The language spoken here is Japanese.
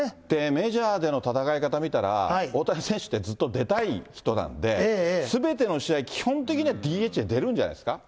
メジャーでの戦い方見たら、大谷選手ってずっと出たい人なんで、すべての試合、基本的にはＤＨで出るんじゃないですか。